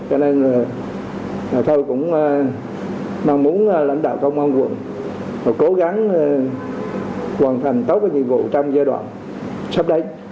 cho nên tôi cũng mong muốn lãnh đạo công an quận cố gắng hoàn thành tốt cái nhiệm vụ trong giai đoạn sắp đến